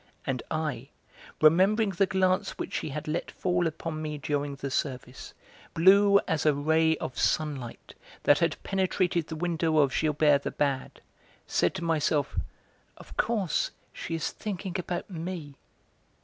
And I, remembering the glance which she had let fall upon me during the service, blue as a ray of sunlight that had penetrated the window of Gilbert the Bad, said to myself, "Of course, she is thinking about me."